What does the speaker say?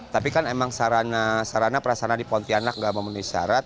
tapi kan emang sarana sarana prasarana di pontianak nggak memenuhi syarat